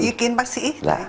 có ý kiến bác sĩ